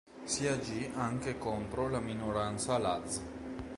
Si agì anche contro la minoranza Laz.